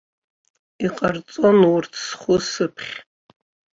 Иҟарҵон урҭ схәы-сыԥхь.